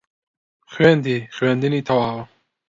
خوێندی خوێندنی تەواوە